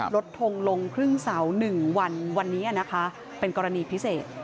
ลดทงลงครึ่งเสาหนึ่งวันวันนี้อ่ะนะคะเป็นกรณีพิเศษ